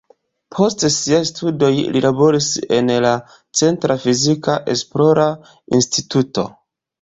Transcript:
Post siaj studoj li laboris en la centra fizika esplora instituto.